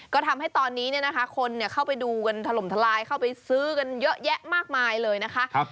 ก็ทำให้ตอนนี้คนเข้าไปดูกันถล่มทลายเข้าไปซื้อกันเยอะแยะมากมายเลยนะคะ